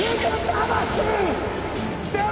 魂！